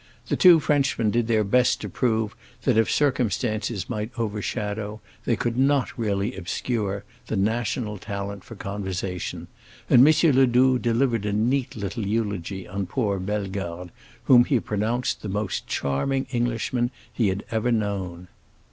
The two Frenchmen did their best to prove that if circumstances might overshadow, they could not really obscure, the national talent for conversation, and M. Ledoux delivered a neat little eulogy on poor Bellegarde, whom he pronounced the most charming Englishman he had ever known.